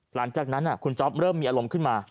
หลังจากนั้นคุณจ๊อปเริ่มมีอารมณ์ขึ้นมา